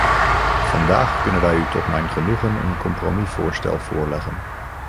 Vandaag kunnen wij u tot mijn genoegen een compromisvoorstel voorleggen.